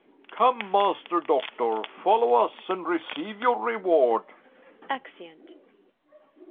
Come, Master Doctor, follow us, and receive your reward. [Exeunt.